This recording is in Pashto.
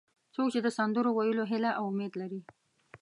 څوک چې د سندرو ویلو هیله او امید لري.